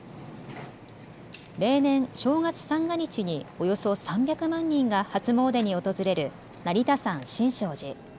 例年、正月三が日におよそ３００万人が初詣に訪れる成田山新勝寺。